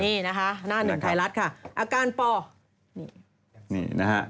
นี่นะฮะหน้าหนึ่งไทยรัฐค่ะ